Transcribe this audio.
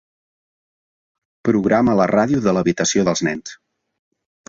Programa la ràdio de l'habitació dels nens.